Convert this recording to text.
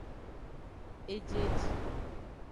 Ejieji.